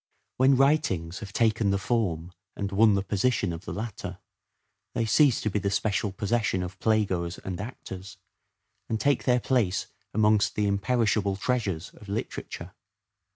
When writings have taken the form and won the position of the latter, they cease to be the special possession of play goers and actors, and take their place amongst the imperishable treasures of literature.